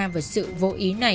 và sự vô ý này đã tố cáo hắn